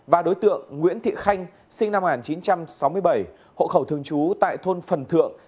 và đối tượng nguyễn thị khanh sinh năm một nghìn chín trăm sáu mươi bảy hộ khẩu thường trú tại thôn phần thượng